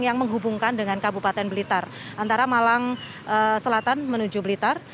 yang menghubungkan dengan kabupaten blitar antara malang selatan menuju blitar